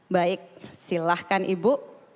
baik silahkan ibu